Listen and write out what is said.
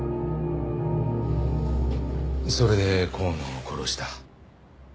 それで香野を殺した。